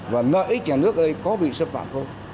và lợi ích nhà nước ở đây có bị xâm phạm không